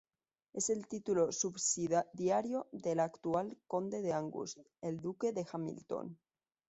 Es el título subsidiario de la actual conde de Angus, el duque de Hamilton.